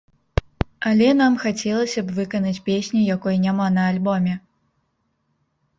Але нам хацелася б выканаць песню, якой няма на альбоме.